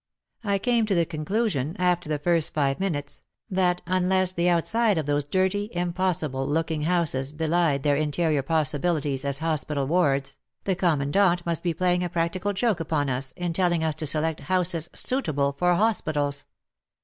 I came to the conclusion, after the first five minutes, that unless the outside of those dirty, impossible looking houses belied their interior possibilities as hospital wards, the Commandant must be playing a practical joke upon us, in telling us to select houses suitable for hospitals.